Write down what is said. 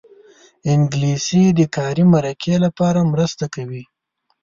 انګلیسي د کاري مرکې لپاره مرسته کوي